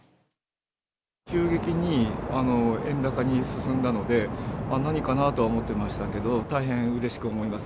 急激に円高に進んだので、何かなとは思ってましたけど、大変うれしく思います。